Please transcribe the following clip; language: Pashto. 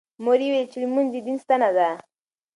مور مې وویل چې لمونځ د دین ستنه ده.